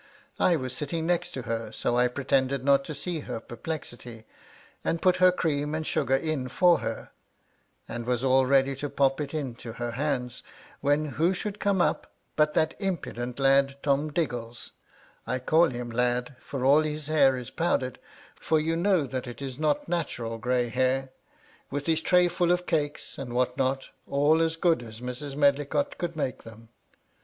* I was sitting next to her, so I pretended not to see ' her perplexity, and put her cream and sugar in for ' her, and was all ready to pop it into her hands, — ^when who should come up, but that impudent lad 'Tom Diggles (I call him lad, for all his hair is pow * dered, for you know that it is not natural grey hair), 'with his tray full of cakes and what not, all as good ' as Mrs. Medlicott could make them.